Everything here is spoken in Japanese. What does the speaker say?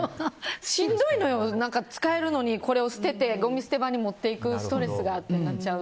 しんどいのよ、使えるのにこれをごみ捨て場に持っていくストレスがってなっちゃう。